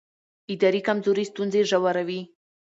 اداري کمزوري ستونزې ژوروي